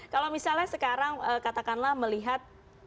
kalau misalnya sekarang katakanlah melihat